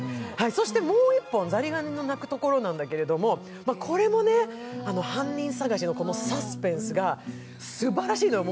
そしてもう１本、「ザリガニの鳴くところ」なんだけれども、これも犯人捜しのサスペンスがすばらしいのよ。